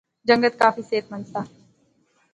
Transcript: جنگت کافی صحت مند سا